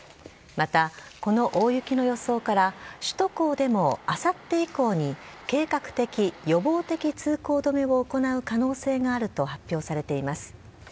また、この大雪の予想から、首都高でもあさって以降に計画的・予防的通行止めを行う可能性があると発表されています。